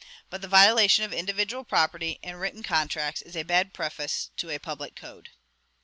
But the violation of individual property and written contracts is a bad preface to a public code."